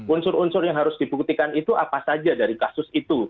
unsur unsur yang harus dibuktikan itu apa saja dari kasus itu